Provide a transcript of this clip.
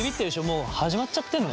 もう始まっちゃってんのよ。